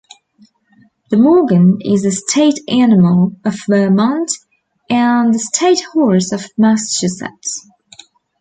The Morgan is the state animal of Vermont and the state horse of Massachusetts.